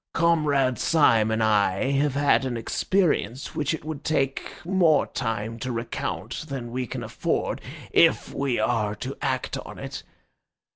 Comrade Syme and I have had an experience which it would take more time to recount than we can afford, if we are to act on it.